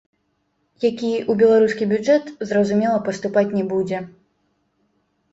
Які ў беларускі бюджэт, зразумела, паступаць не будзе.